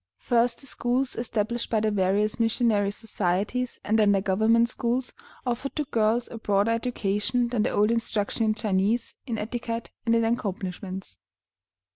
First the schools established by the various missionary societies, and then the government schools, offered to girls a broader education than the old instruction in Chinese, in etiquette, and in accomplishments.